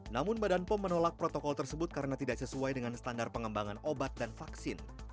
namun badan pom menolak protokol tersebut karena tidak sesuai dengan standar pengembangan obat dan vaksin